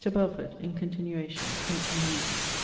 BELFORD [IN CONTINUATION.] EIGHT IN THE EVENING.